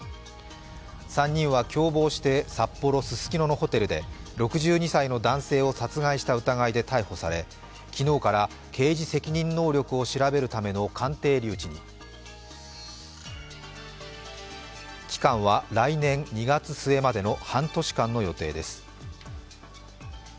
３人は共謀して札幌・ススキノのホテルで６２歳の男性を殺害した疑いで逮捕され、昨日から刑事責任能力を調べるための鑑定留置に。期間は来年２月末までの半年間の予定です。